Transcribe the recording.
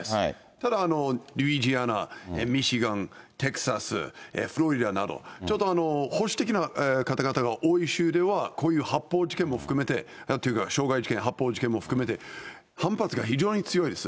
ただルイジアナ、ミシガン、テキサス、フロリダなど、ちょうど保守的な方々が多い州では、こういう発砲事件も含めて、なんというか、傷害事件、発砲事件も含めて反発が非常に強いです。